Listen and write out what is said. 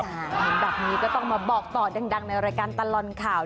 เห็นแบบนี้ก็ต้องมาบอกต่อดังในรายการตลอดข่าว